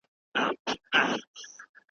هند د څېړونکو لپاره مهمه سیمه ده.